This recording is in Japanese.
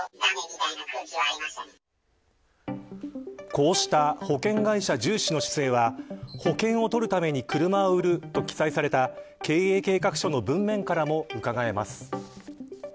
こうした保険会社重視の姿勢は保険を取るために車を売ると記載された経営計画書の文面からも伺えます。